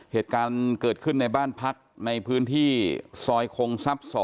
เหตุการณ์เกิดขึ้นในบ้านพักในพื้นที่ซอยคงทรัพย์๒